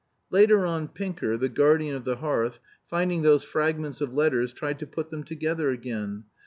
Later on Pinker, the guardian of the hearth, finding those fragments of letters tried to put them together again.